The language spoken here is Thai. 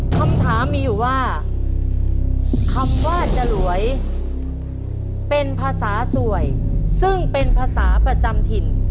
คำถามมีอยู่ว่าคำว่าจรวยเป็นภาษาสวยซึ่งเป็นภาษาประจำถิ่น